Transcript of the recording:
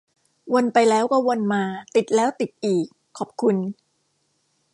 วนไปแล้วก็วนมา ติดแล้วติดอีก ขอบคุณ